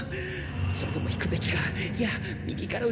それとも引くべきかいや右から打ちこんで。